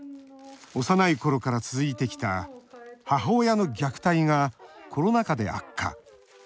幼いころから続いてきた母親の虐待がコロナ禍で悪化。